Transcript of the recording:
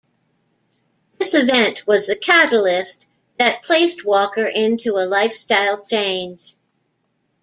This event was the catalyst that placed Walker into a lifestyle change.